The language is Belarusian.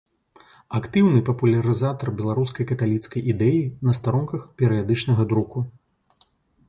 Актыўны папулярызатар беларускай каталіцкай ідэі на старонках перыядычнага друку.